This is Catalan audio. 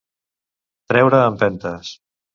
Treure a empentes.